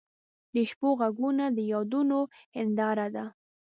د شپو ږغونه د یادونو هنداره ده.